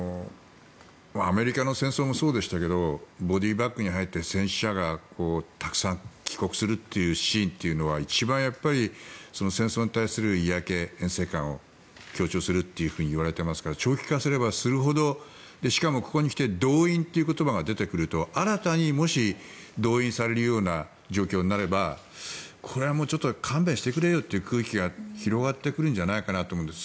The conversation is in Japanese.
アメリカの戦争もそうでしたけどボディーバッグに入った戦死者がたくさん帰国するシーンは、一番戦争に対する言い訳を強調するといわれていますから長期化すればするほどしかもここに来て動員という言葉が出てくる新たにもし、動員されるような状況になればこれは勘弁してくれよという空気が広がってくるんじゃないかなと思うんです。